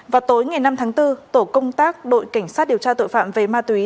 vào tối ngày năm tháng bốn tổ công tác đội cảnh sát điều tra tội phạm về ma túy